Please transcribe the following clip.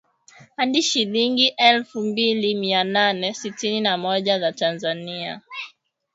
Hadi shilingi elfu mbili mia nane sitini na moja za Tanzania (dola ishirini na tatu)